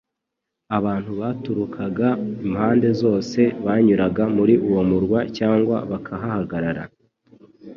Abantu baturukaga impande zose banyuraga muri uwo murwa cyangwa bakahahagarara